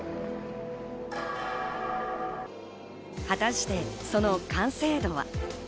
果たして、その完成度は？